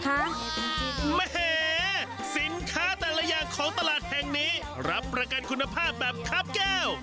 แหมสินค้าแต่ละอย่างของตลาดแห่งนี้รับประกันคุณภาพแบบคาบแก้ว